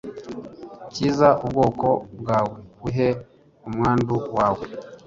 kiza ubwoko bwawe uhe umwandu wawe